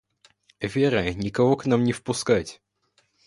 Вера, никого к нам не впускать!